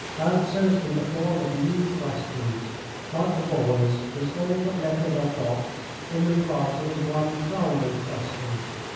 Answers in the form of new questions, like the boy's, was all Nekhludoff got in reply to his one primary question.